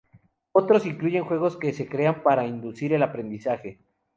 Otros incluyen juegos que se crean para inducir el aprendizaje.